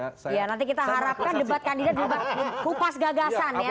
iya nanti kita harapkan debat kandidat kupas gagasan ya